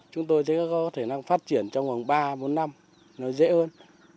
chúng tôi sẽ có thể phát triển trong khoảng ba bốn năm nó dễ hơn